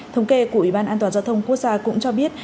thống kê của ủy ban an toàn giao thông quốc gia cũng cho biết